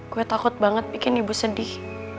gue takut banget bikin ibu sedih